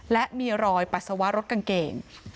และมีรอยปัสสาวะรถกางเกง